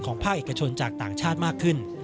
ภาคเอกชนจากต่างชาติมากขึ้น